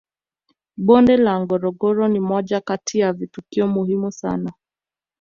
bonde la ngorongoro ni moja Kati ya kivutio muhimu sana